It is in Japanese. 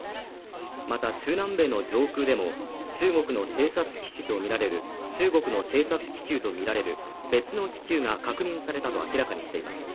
また中南米の上空でも中国の偵察気球とみられる別の気球が確認されたと明らかにしています